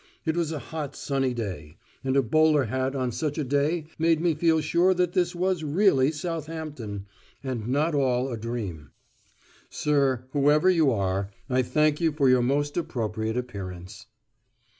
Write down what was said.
It was a hot sunny day; and a bowler hat on such a day made me feel sure that this was really Southampton, and not all a dream. Sir, whoever you are, I thank you for your most appropriate appearance.